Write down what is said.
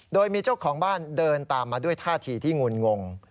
โดยมีเจ้าของบ้านเดินตามมาด้วยท่าทีที่งุนงง